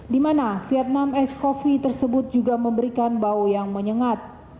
di mana vietnam ice coffee tersebut juga memberikan bau yang menyengat